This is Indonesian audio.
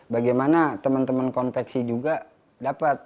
bagaimana teman teman konveksi juga dapat